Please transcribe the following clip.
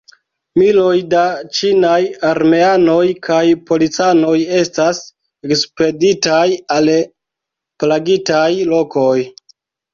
Miloj da ĉinaj armeanoj kaj policanoj estas ekspeditaj al plagitaj lokoj.